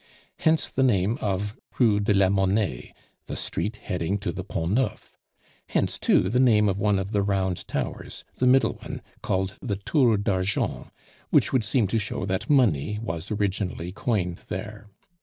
Hence the name of Rue de la Monnaie the street leading to the Pont Neuf. Hence, too, the name of one of the round towers the middle one called the Tour d'Argent, which would seem to show that money was originally coined there.